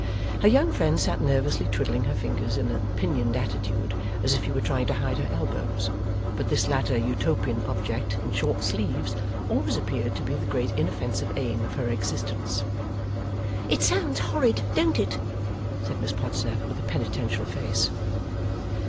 Her young friend sat nervously twiddling her fingers in a pinioned attitude, as if she were trying to hide her elbows. But this latter Utopian object (in short sleeves) always appeared to be the great inoffensive aim of her existence. 'It sounds horrid, don't it?' said Miss Podsnap, with a penitential face.